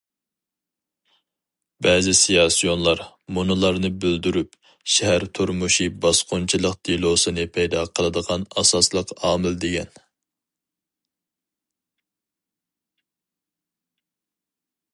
بەزى سىياسىيونلار مۇنۇلارنى بىلدۈرۈپ: شەھەر تۇرمۇشى باسقۇنچىلىق دېلوسىنى پەيدا قىلىدىغان ئاساسلىق ئامىل، دېگەن.